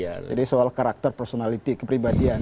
jadi soal karakter personality kepribadian